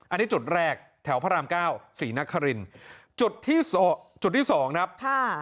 อันนี้จุดแรกแถวพระราม๙ศรีนครินจุดที่๒นะครับ